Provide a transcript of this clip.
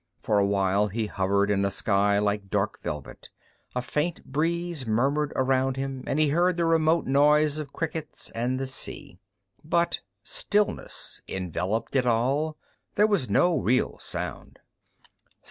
For a while he hovered in a sky like dark velvet, a faint breeze murmured around him, and he heard the remote noise of crickets and the sea. But stillness enveloped it all, there was no real sound.